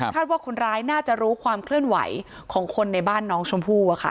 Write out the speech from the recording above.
ว่าคนร้ายน่าจะรู้ความเคลื่อนไหวของคนในบ้านน้องชมพู่อะค่ะ